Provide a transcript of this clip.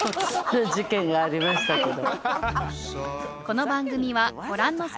事件がありましたけど。